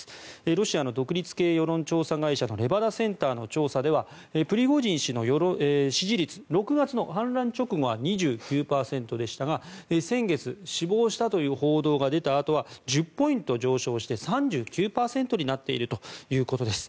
ロシアの独立系世論調査会社のレバダ・センターの調査によりますとプリゴジン氏の支持率６月の反乱直後は２９％でしたが先月、死亡したという報道が出たあとは１０ポイント上昇して３９％になっているということです。